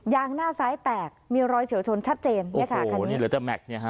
หน้าซ้ายแตกมีรอยเฉียวชนชัดเจนเนี่ยค่ะคันนี้เหลือแต่แม็กซเนี่ยฮะ